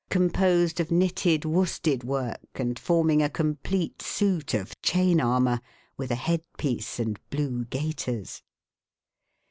501 composed of knitted worsted work, and forming a com plete suit of chain armour, with n head piece and blue gaiters.